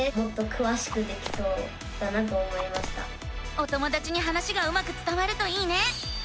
お友だちに話がうまくつたわるといいね！